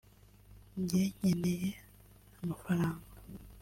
njye nkeneye amafaranga